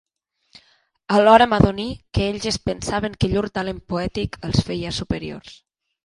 Alhora m'adoní que ells es pensaven que llur talent poètic els feia superiors